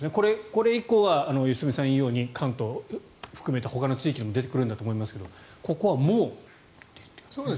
これ以降は良純さんが言うように関東を含めたほかの地域でも出てくるんだと思いますがここはもう出ている。